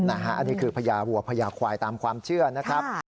อันนี้คือพญาวัวพญาควายตามความเชื่อนะครับ